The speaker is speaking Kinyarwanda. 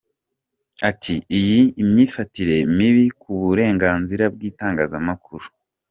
Ati :« Iyi ni imyifatire mibi ku burenganzira bw’itangazamakuru.